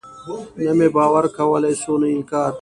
نه مې باور کولاى سو نه انکار.